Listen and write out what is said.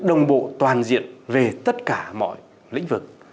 đồng bộ toàn diện về tất cả mọi lĩnh vực